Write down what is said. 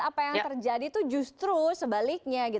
apa yang terjadi itu justru sebaliknya